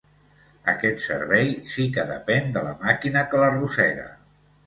Aquest servei sí que depèn de la màquina que l'arrossega.